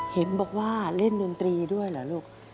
เห็นบอกว่าเล่นดนตรีด้วยเหรอลูก